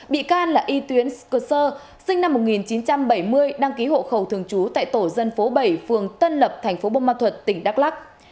bị can là y tuyến scorser sinh năm một nghìn chín trăm bảy mươi đăng ký hộ khẩu thường trú tại tổ dân phố bảy phường tân lập tp bông ma thuật tỉnh đắk lắc